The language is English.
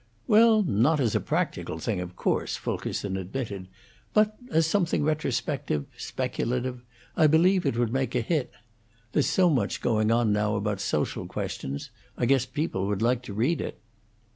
"Well, not as a practical thing, of course," Fulkerson admitted. "But as something retrospective, speculative, I believe it would make a hit. There's so much going on now about social questions; I guess people would like to read it."